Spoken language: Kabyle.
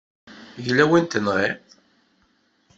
Yella wi tenɣiḍ?